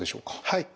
はい。